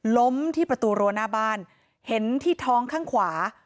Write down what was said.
ล้มที่ประตูรั้วหน้าบ้านเห็นที่ท้องข้างขวา